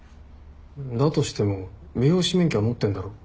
だとしても美容師免許は持ってんだろ？